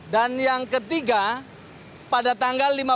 dan yang ketiga pada tanggal